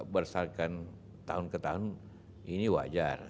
berdasarkan tahun ke tahun ini wajar